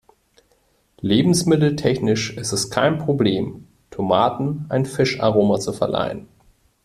Lebensmitteltechnisch ist es kein Problem, Tomaten ein Fischaroma zu verleihen.